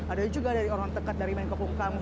ada juga dari orang dekat dari menko kukam